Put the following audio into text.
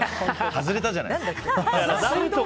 外れたじゃないですか。